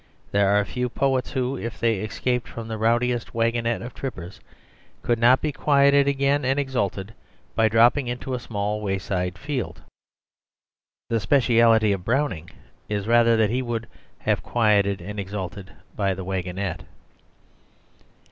There are few poets who, if they escaped from the rowdiest waggonette of trippers, could not be quieted again and exalted by dropping into a small wayside field. The speciality of Browning is rather that he would have been quieted and exalted by the waggonette.